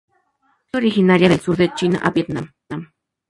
Es originaria del sur de China a Vietnam.